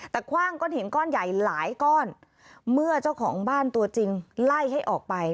แต่คว่างก้อนหินก้อนใหญ่หลายก้อนเมื่อเจ้าของบ้านตัวจริงไล่ให้ออกไป